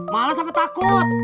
males apa takut